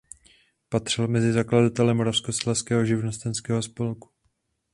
Patřil mezi zakladatele Moravského živnostenského spolku.